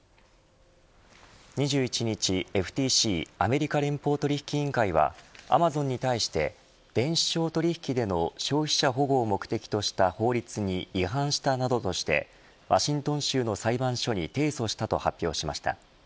２１日ＦＴＣアメリカ連邦取引委員会はアマゾンに対して電子商取引での消費者保護を目的とした法律に違反したなどとしてワシントン州の裁判所に提訴したと発表しました。